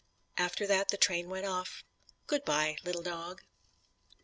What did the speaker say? After that the train went off. Good bye, little dog.